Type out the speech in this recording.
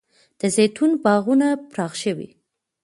د زیتون باغونه پراخ شوي؟